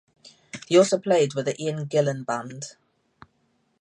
He also played with the Ian Gillan Band.